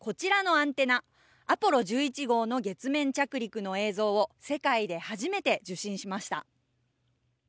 アポロ１１号の月面着陸の映像を世界ではじめて受信しました。